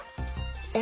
え？